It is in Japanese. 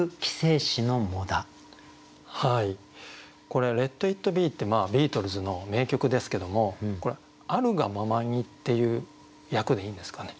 これ「レット・イット・ビー」ってビートルズの名曲ですけどもこれ「あるがままに」っていう訳でいいんですかね？